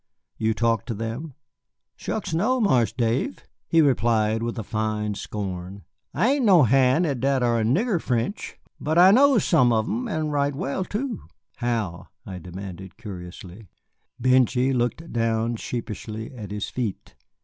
"You talk to them?" "Shucks, no, Marse Dave," he replied with a fine scorn, "I ain't no hand at dat ar nigger French. But I knows some on 'em, and right well too." "How?" I demanded curiously. Benjy looked down sheepishly at his feet.